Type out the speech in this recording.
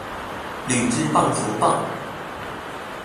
鋁製棒球棒